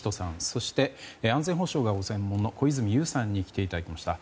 そして、安全保障がご専門の小泉悠さんに来ていただきました。